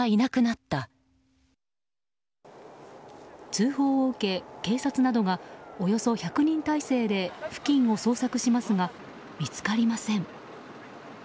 通報を受け警察などがおよそ１００人態勢で付近を捜索しますが見つかりません。